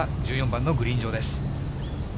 １４番のグリーン上です。